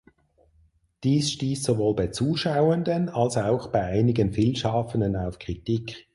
Dies stieß sowohl bei Zuschauenden als auch einigen Filmschaffenden auf Kritik.